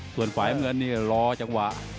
ส่วนฝ่ายเมืองนี่รอจังหวะ